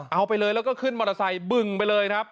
เอาไปเลยแล้วก็ขึ้นมอเตอร์ไซค์บึงไปเลยครับ